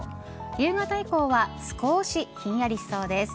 夕方以降は少しひんやりしそうです。